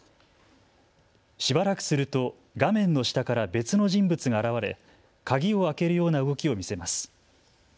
しばらくすると画面の下から別の人物が現れ鍵を開けるような動きを見せます。